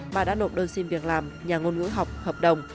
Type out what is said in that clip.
mà đã nộp đơn xin việc làm nhà ngôn ngữ học hợp đồng